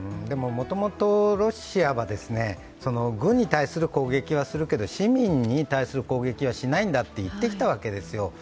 もともとロシアは、軍に対する攻撃はするけれども、市民に対する攻撃はしないんだと言ってきたわけですよ。